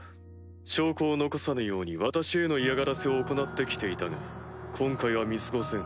証拠を残さぬように私への嫌がらせを行ってきていたが今回は見過ごせん。